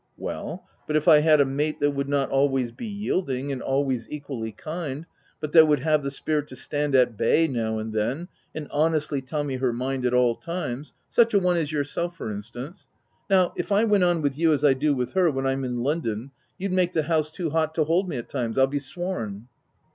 " Well, but if I had a mate that would not always be yielding, and always equally kind, but that would have the spirit to stand at bay now and then, and honestly tell me her mind at all times — such a one as yourself for instance — Now if I went on with you as I do with her when I'm in London, you'd make the house too hot to hold me at times, I'll be sworn."